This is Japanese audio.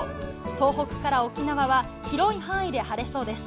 東北から沖縄は広い範囲で晴れそうです。